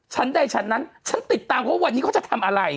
ฉันได้ฉันนั้นฉันติดตามเพราะว่าวันนี้เขาจะทำอะไร